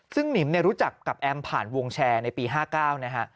ซึ่งหนิมรู้จักกับแอมผ่านวงแชร์ในปี๕๙นะฮะ